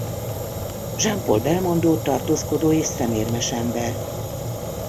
Jean-Paul Belmondo tartózkodó és szemérmes ember.